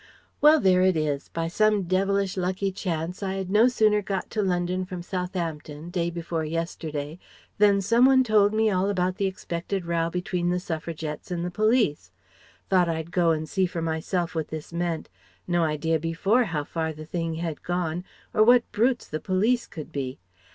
"Well, there it is! By some devilish lucky chance I had no sooner got to London from Southhampton, day before yesterday, than some one told me all about the expected row between the Suffragettes and the police. Thought I'd go and see for myself what this meant. No idea before how far the thing had gone, or what brutes the police could be.